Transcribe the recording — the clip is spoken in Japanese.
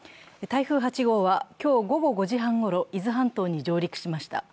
台風８号は、今日午後５時半ごろ伊豆半島に上陸しました。